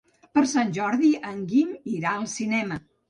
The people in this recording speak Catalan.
Per Sant Jordi en Guim irà al cinema.